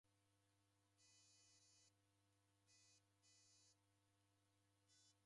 Zighana ngache isekeonga mae.